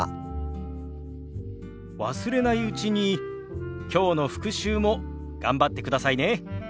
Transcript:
忘れないうちにきょうの復習も頑張ってくださいね。